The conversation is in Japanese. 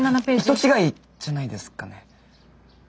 人違いじゃないですかね？